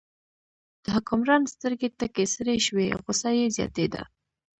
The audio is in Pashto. د حکمران سترګې تکې سرې شوې، غوسه یې زیاتېده.